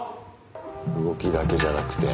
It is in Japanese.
動きだけじゃなくて。